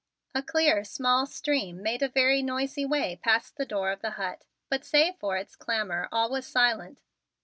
A clear, small stream made a very noisy way past the door of the hut, but save for its clamor all was silent.